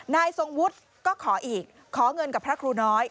นายทรงวุฒิก็ขออีกขอเงินกับพระครูน้อย